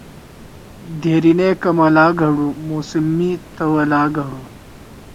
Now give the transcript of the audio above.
دھیریِنے کمَلا گھرُو ، موسم می توَلا گھڑُو